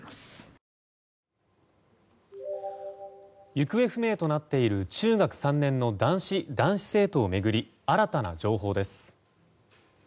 行方不明となっている中学３年の男子生徒を巡り新たな情報です。